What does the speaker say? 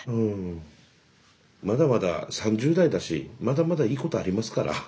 まだまだ３０代だしまだまだいいことありますから。